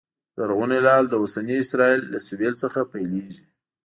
زرغون هلال د اوسني اسرایل له سوېل څخه پیلېږي